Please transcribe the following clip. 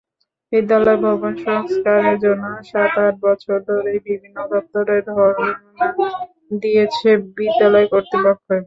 বিদ্যালয় ভবন সংস্কারের জন্য সাত–আট বছর ধরেই বিভিন্ন দপ্তরে ধরনা দিয়েছে বিদ্যালয় কর্তৃপক্ষ।